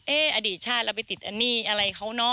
อดีตชาติเราไปติดอันนี้อะไรเขาเนอะ